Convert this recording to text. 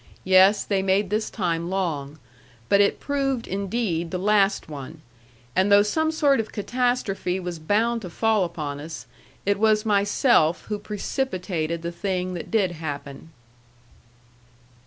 Yes, they made this time long. But it proved, indeed, the last one. And though some sort of catastrophe was bound to fall upon us, it was myself who precipitated the thing that did happen.